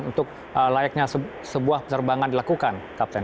untuk layaknya sebuah penerbangan dilakukan kapten